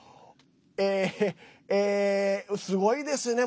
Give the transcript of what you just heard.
えーすごいですね。